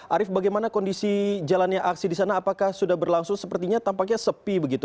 arief bagaimana kondisi jalannya aksi di sana apakah sudah berlangsung sepertinya tampaknya sepi begitu